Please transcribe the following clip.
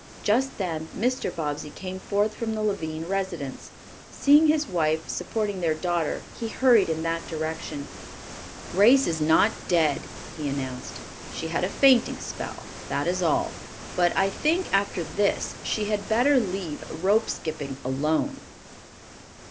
Just then Mr. Bobbsey came forth from the Lavine residence. Seeing his wife supporting their daughter, he hurried in that direction. "Grace is not dead," he announced. "She had a fainting spell, that is all. But I think after this she had better leave rope skipping alone."